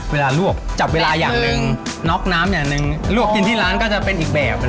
เวลาลวกจับเวลาอย่างหนึ่งน็อกน้ำอย่างหนึ่งลวกกินที่ร้านก็จะเป็นอีกแบบ